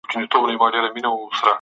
دريو شيانو نه ځان وساتئ.